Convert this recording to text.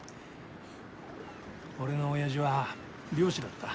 俺のおやじは漁師だった。